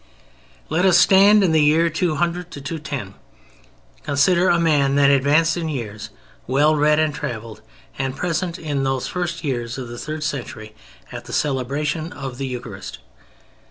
Let us stand in the years 200 210, consider a man then advanced in years, well read and traveled, and present in those first years of the third century at the celebration of the Eucharist.